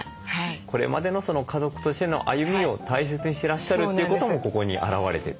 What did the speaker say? これまでの家族としての歩みを大切にしてらっしゃるということもここに表れてる。